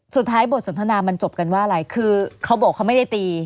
สุดท้ายบทสนทนามันจบกันว่าอะไรคือเขาบอกเขาไม่ได้ตี